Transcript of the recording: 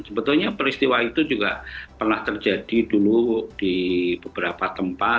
sebetulnya peristiwa itu juga pernah terjadi dulu di beberapa tempat